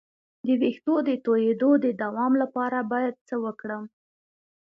د ویښتو د تویدو د دوام لپاره باید څه وکړم؟